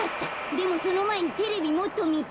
でもそのまえにテレビもっとみたい。